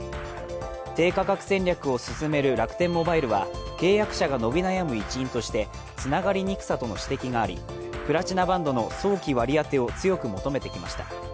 低価格戦略を進める楽天モバイルは契約者が伸び悩む一因としてつながりにくさとの指摘がありプラチナバンドの早期割り当てを強く求めてきました。